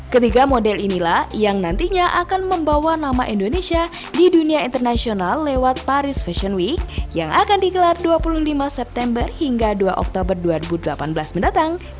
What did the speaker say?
ketiga model inilah yang nantinya akan membawa nama indonesia di dunia internasional lewat paris fashion week yang akan digelar dua puluh lima september hingga dua oktober dua ribu delapan belas mendatang